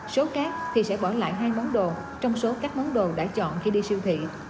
số cát thì sẽ bỏ lại hai món đồ trong số các món đồ đã chọn khi đi siêu thị